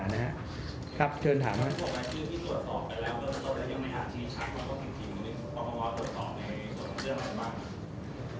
คือหลักการทรุดสอบนี้ก็เรียกเลยอันนั้นด้วย